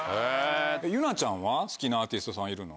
ＹＵＮＡちゃんは好きなアーティストさんはいるの？